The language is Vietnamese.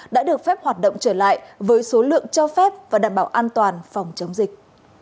đã được phép hoạt động trở lại với số lượng cho phép và đảm bảo an toàn phòng chống dịch